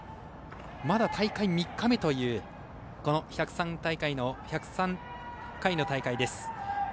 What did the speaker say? まだ大会３日目というこの１０３回の大会です。